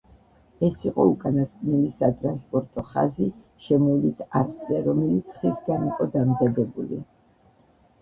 ეს იყო უკანასკნელი სატრანსპორტო ხაზი შემოვლით არხზე, რომელიც ხისგან იყო დამზადებული.